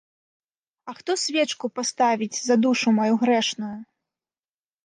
А хто свечку паставіць за душу маю грэшную?